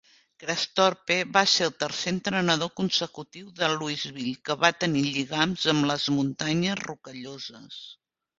Kragthorpe va ser el tercer entrenador consecutiu de Louisville que va tenir lligams amb les Muntanyes Rocalloses.